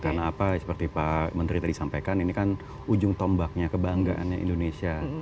karena seperti pak menteri tadi sampaikan ini kan ujung tombaknya kebanggaannya indonesia